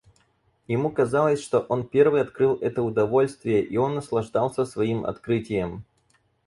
Ему казалось, что он первый открыл это удовольствие, и он наслаждался своим открытием.